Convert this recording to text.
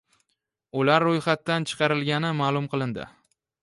Ular roʻyxatdan chiqarilgani maʼlum qilindi